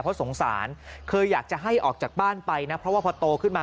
เพราะสงสารเคยอยากจะให้ออกจากบ้านไปนะเพราะว่าพอโตขึ้นมา